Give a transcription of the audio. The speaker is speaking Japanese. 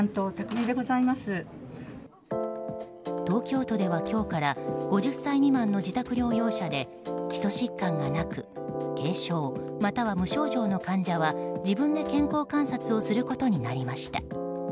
東京都では今日から５０歳未満の自宅療養者で基礎疾患がなく軽症または無症状の患者は自分で健康観察をすることになりました。